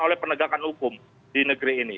oleh penegakan hukum di negeri ini